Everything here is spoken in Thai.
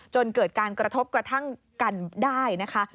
จนเกิดการกระทบกระทั่งกันได้นะคะ